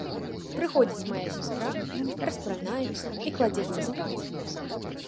Прыходзіць мая сястра, распранаецца і кладзецца спаць.